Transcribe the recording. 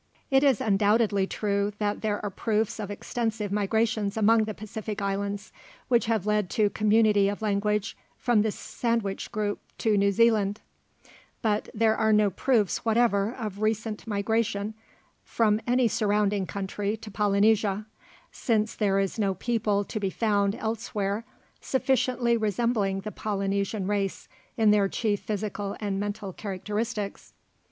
It is undoubtedly true that there are proofs of extensive migrations among the Pacific islands, which have led to community of language from the sandwich group to New Zealand; but there are no proofs whatever of recent migration from any surrounding country to Polynesia, since there is no people to be found elsewhere sufficiently resembling the Polynesian race in their chief physical and mental characteristics.